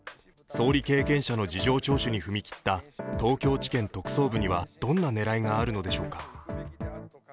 総理経験者の事情聴取に踏み切った、東京地検特捜部にはどんな狙いがあるのでしょうか。